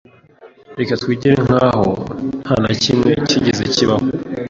Reka twigire nkaho ntanakimwe cyigeze kibaho.